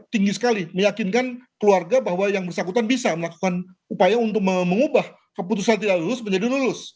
tinggi sekali meyakinkan keluarga bahwa yang bersangkutan bisa melakukan upaya untuk mengubah keputusan tidak lulus menjadi lulus